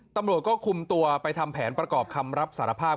ตำรวจก็คุมตัวไปทำแผนประกอบคำรับสารภาพ